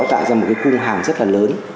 tạo ra một cái cung hàng rất là lớn